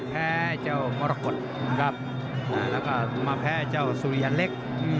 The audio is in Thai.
แพ้เจ้ามรกฏครับแล้วก็มาแพ้เจ้าสุริยันเล็ก